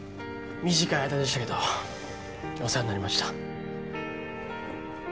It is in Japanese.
短い間でしたけどお世話になりました。